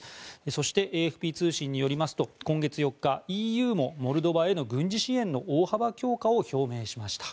そしてＡＦＰ通信によりますと今月４日、ＥＵもモルドバへの軍事支援の大幅強化を表明しました。